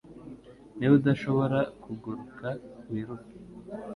Niba udashobora kuguruka, wiruke.